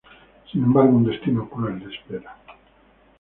Sin embargo un destino cruel le espera.